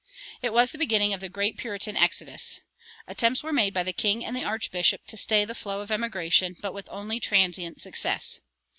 It was the beginning of the great Puritan exodus. Attempts were made by the king and the archbishop to stay the flow of emigration, but with only transient success.